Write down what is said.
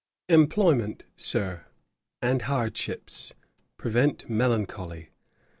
Employment, Sir, and hardships, prevent melancholy.